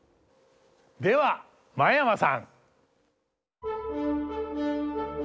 では真山さん！